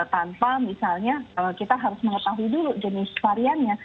tanpa misalnya kalau kita harus mengetahui dulu jenis variannya